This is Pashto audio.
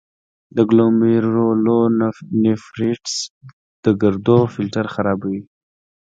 د ګلومیرولونیفریټس د ګردو فلټر خرابوي.